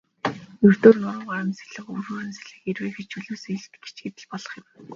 Ердөө нуруугаар сэлэх, өврөөр сэлэх, эрвээхэй, чөлөөт сэлэлт гэчихэд л болох юм.